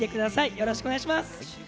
よろしくお願いします。